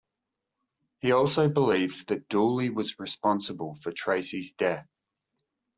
He also believes that Dooley was responsible for Tracy's death.